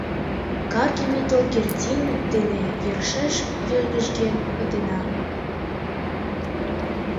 Каргыме Толгердин дене йӧршеш йыгыжген пытенам...